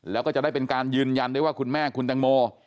แล้วก็จะได้เป็นการยืนยันได้ว่าคุณแม่คุณตังโม